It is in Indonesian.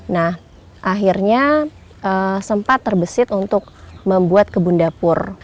nah akhirnya sempat terbesit untuk membuat kebun dapur